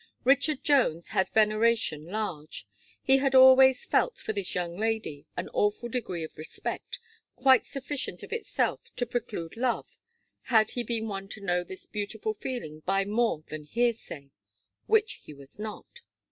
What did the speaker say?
Richard Jones had veneration large. He had always felt for this young lady an awful degree of respect, quite sufficient of itself to preclude love, had he been one to know this beautiful feeling by more than hearsay which he was not.